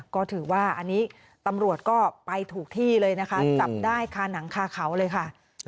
ก็ถือว่าอันนี้ตำรวจก็ไปถูกที่เลยนะคะจับได้คาหนังคาเขาเลยค่ะ